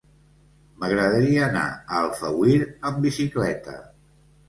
M'agradaria anar a Alfauir amb bicicleta.